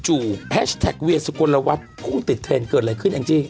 แฮชแท็กเวียสุโกนละวัดพรุ่งติดเทรนด์เกิดอะไรขึ้นเองจริง